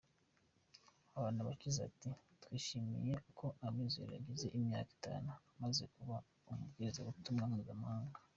Habanabakize ati “ Twishimiye ko Amizero agize imyaka itanu amaze kuba umubwirizabutumwa mpuzamahanga.